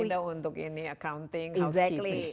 tidak untuk ini accounting housekeeping